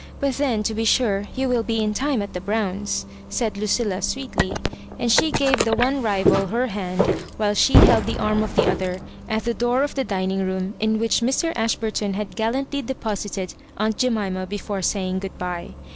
But then, to be sure, you will be in time at the Browns*," said Lucilla, sweetly, and she gave the one rival her han4 while she held the arm of the other, at the door of the dining room, in which Mr. Ash burton had gallantly deposited aunt Jemima be fore saying good bye.